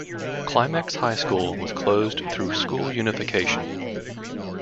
Climax High School was closed through school unification.